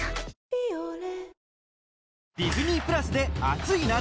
「ビオレ」